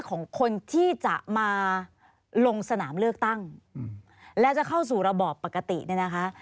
ของคนที่จะมาลงสนามเลือกตั้งและจะเข้าสู่ระบอบปกติเนี่ยนะคะ